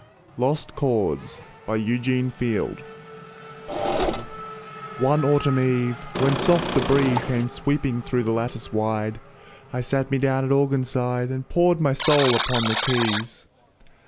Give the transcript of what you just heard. LOST CHORDS BY EUGENE FIELD One autumn eve, when soft the breeze Came sweeping through the lattice wide, I sat me down at organ side And poured my soul upon the keys.